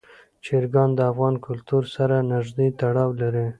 چرګان د افغان کلتور سره نږدې تړاو لري.